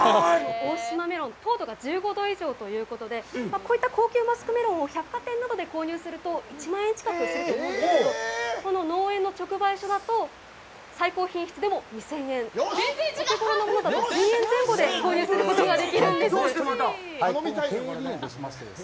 大島メロン、糖度が１５度以上ということでこういった高級マスクメロンを百貨店などで購入すると、１万円ぐらいはすると思うんですけれども、この農園の直売所だと最高品質でも２０００円、お手ごろなものだと１０００円前後で購入することができるんです。